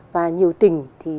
và nhiều tỉnh